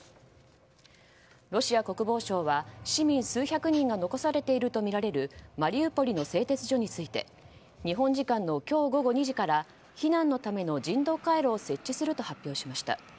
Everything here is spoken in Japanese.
ロシア国防省は市民数百人が残されているとみられるマリウポリの製鉄所について日本時間の今日午後２時から避難のための人道回廊を設置すると発表しました。